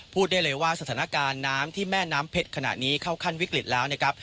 พูดได้เลยว่าสถานการณ์น้ำที่แม่น้ำเพชรขณะนี้เข้าขั้นวิกฤตแล้วนะครับ